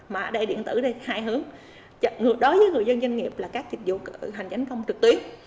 mà ở đây điện tử là hai hướng đối với người dân doanh nghiệp là các dịch vụ hành chánh công trực tuyến